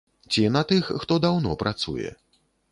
Ці на тых, хто даўно працуе?